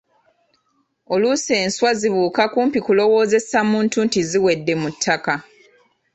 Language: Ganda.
Oluusi enswa zibuuka kumpi kulowoozesa muntu nti ziwedde mu ttaka.